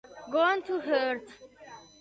Gone to Earth